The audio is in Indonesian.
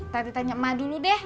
tadi tanya ma dulu deh